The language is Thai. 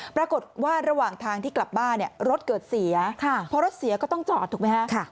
ปรากฏว่าระหว่างทางที่กลับบ้านเนี่ยรถเกิดเสียพอรถเสียก็ต้องจอดถูกไหมฮะ